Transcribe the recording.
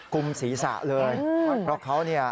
กลุ่มศีรษะเลยเพราะเขาเนี่ย